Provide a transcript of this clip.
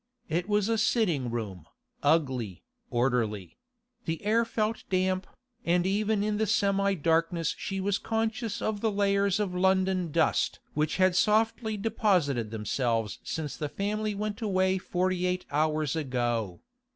It was a sitting room, ugly, orderly; the air felt damp, and even in semi darkness she was conscious of the layers of London dust which had softly deposited themselves since the family went away forty eight hours ago.